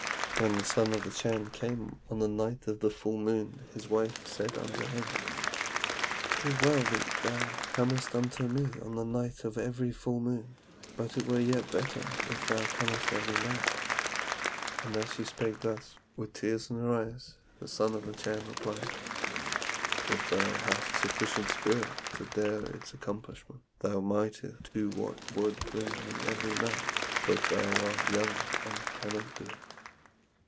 "When the son of the Chan came on the night of the full moon, his wife said unto him, 'It is well that thou comest unto me on the night of every full moon, but it were yet better if thou camest every night.' And as she spake thus, with tears in her eyes, the son of the Chan replied, 'If thou hadst sufficient spirit to dare its accomplishment, thou mightest do what would bring me every night; but thou art young and cannot do it.'